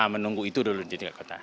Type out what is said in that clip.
menunggu itu dulu di tingkat kota